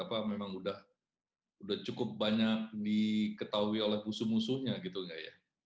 apa memang udah cukup banyak diketahui oleh musuh musuhnya gitu nggak ya